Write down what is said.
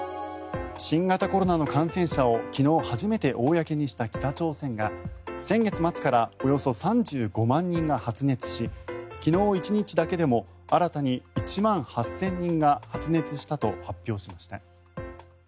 新型コロナの感染者を昨日、初めて公にした北朝鮮が先月末からおよそ３５万人が発熱し昨日１日だけでも新たに１万８０００人が発熱したと発表しました。